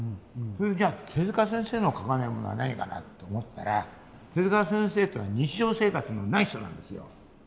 それじゃあ手先生の描かないものは何かなと思ったら手先生というのは日常生活のない人なんですよ。